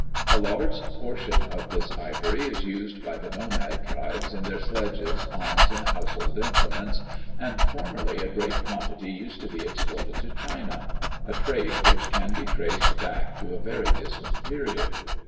A large portion of this ivory is used by the nomad tribes in their sledges, arms, and household implements, and formerly a great quantity used to be exported to China; a trade which can be traced back to a very distant period.